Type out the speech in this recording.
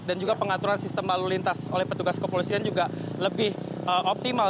dan juga pengaturan sistem lalu lintas oleh petugas kepolisian juga lebih optimal